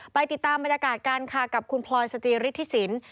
ไปติดตามบรรยากาศกันค่ะกับคุณพลอยสจิฤทธิสิน